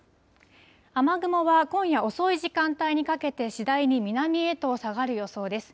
雨雲は今夜遅い時間帯にかけて、次第に南へと下がる予想です。